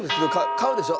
買うでしょ。